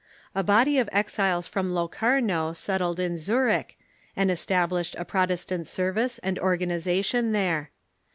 A body of exiles from Locarno settled in Zurich, and established a Protestant service and organization there.